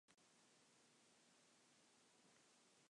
Originally, the song was titled "Army Air Corps".